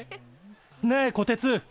ねえこてつニコ。